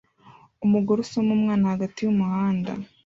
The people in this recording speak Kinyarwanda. umugore usoma umwana hagati yumuhanda